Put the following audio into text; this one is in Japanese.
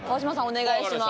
お願いします